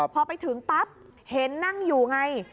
พอไปถึงปั๊บเห็นนั่งอยู่ไง